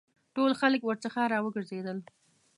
ټول خلک ورڅخه را وګرځېدل.